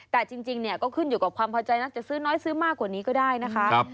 แต่จริงเนี่ยก็ขึ้นอยู่กับความพอใจนะจะซื้อน้อยซื้อมากกว่านี้ก็ได้นะคะ